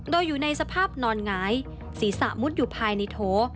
โดยอยู่ในสภาพนอนหงายศีรษะมุดอยู่ภายในโถ